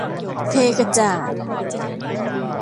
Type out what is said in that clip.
เทกระจาด